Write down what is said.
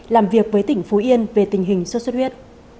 làm việc với tỉnh phú yên về tình hình xuất xuất huyết